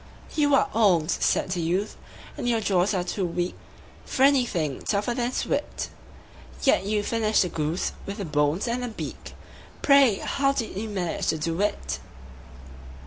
"You are old," said the youth, "and your jaws are too weak For anything tougher than suet; Yet you finished the goose, with the bones and the beak Pray, how did you manage to do it?"